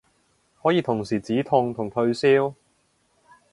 可以同時止痛同退燒